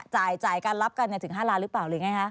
จ่ายการรับกันถึง๕ล้านหรือเปล่าหรือไงฮะ